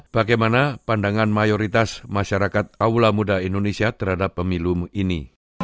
bagaimana pandangan mayoritas masyarakat aula muda indonesia terhadap pemilu ini